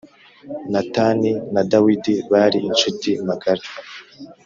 natani na dawidi bari inshuti magara